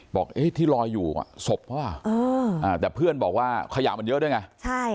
บอกที่ลอยอยู่อ่ะสบป่ะว่าแต่เพื่อนบอกว่าขยะมันเยอะด้วยไง